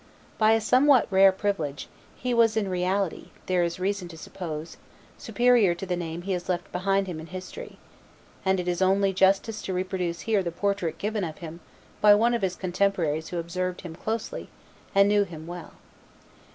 By a somewhat rare privilege, he was in reality, there is reason to suppose, superior to the name he has left behind him in history; and it is only justice to reproduce here the portrait given of him by one of his contemporaries who observed him closely and knew him well.